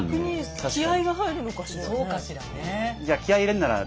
逆に気合いが入るのかしら。